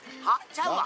ちゃうわ！